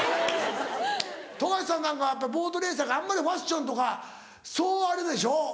富樫さんなんかはボートレースやからあんまりファッションとかそうあれでしょ？